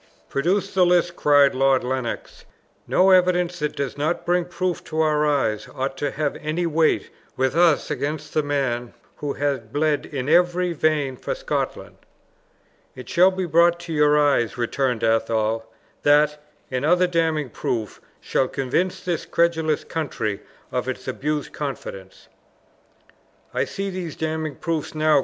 "Produce the list," cried Lord Lennox. "No evidence that does not bring proof to our eyes ought to have any weight with us against the man who had bled in every vein for Scotland." "It shall be brought to your eyes," returned Athol; "that, and other damning proofs, shall convince this credulous country of its abused confidence." "I see these damning proofs now!"